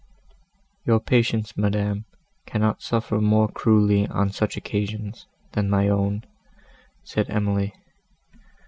"Your patience, madam, cannot suffer more cruelly on such occasions, than my own," said Emily.